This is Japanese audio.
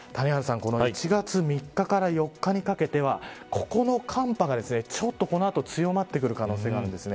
１月３日から４日にかけてはここの寒波が、ちょっとこの後強まってくる可能性があるんです。